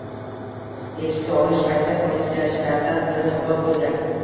Hibsga olish paytida politsiyachilardan biri halok bo‘lgan